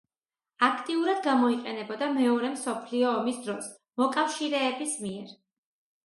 აქტიურად გამოიყენებოდა მეორე მსოფლიო ომის დროს მოკავშირეების მიერ.